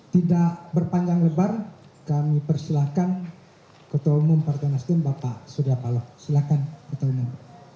tidak berpanjang lebar kami persilahkan ketua umum partai nasdem bapak surya paloh silakan ketua umum